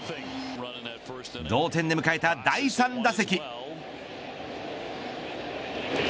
同点で迎えた第３打席。